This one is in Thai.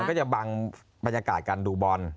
ก็จะบังบรรยากาศการดูบอล